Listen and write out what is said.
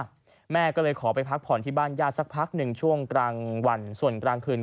และแม่ก็เลยขอไปพักผ่อนที่บ้านย่านซักพักหนึ่งช่วงกลางวัน